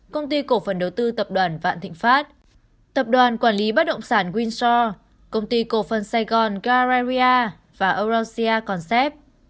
công ty cổ phần đầu tư tập đoàn vạn thịnh pháp tập đoàn quản lý bắt động sản windsor công ty cổ phần sài gòn galleria và eurasia concept